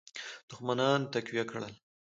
دښمنان تقویه کړل.